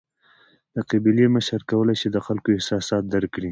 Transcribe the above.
د قبیلې مشر کولای شي د خلکو احساسات درک کړي.